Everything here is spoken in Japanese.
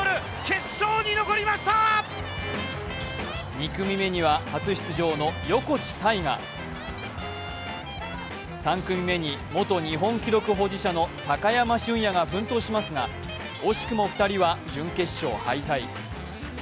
２組目には初出場の横地大雅、３組目に元日本記録保持者の高山峻野が奮闘しますが、惜しくも２人は準決勝敗退。